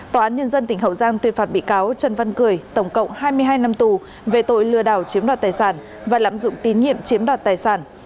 tòa án nhân dân tỉnh hậu giang tuyên phạt bị cáo trần văn cười tổng cộng hai mươi hai năm tù về tội lừa đảo chiếm đoạt tài sản và lạm dụng tín nhiệm chiếm đoạt tài sản